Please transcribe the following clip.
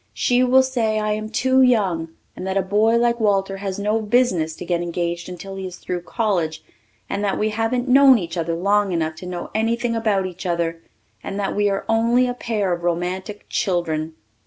She will say I am too young and that a boy like Walter has no business to get engaged until he is through college and that we haven't known each other long enough to know anything about each other and that we are only a pair of romantic children.